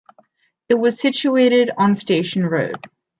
It was situated on Station Road.